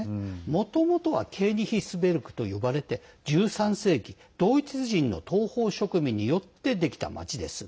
もともとはケーニヒスベルクと呼ばれて１３世紀、ドイツ人の東方植民によってできた町です。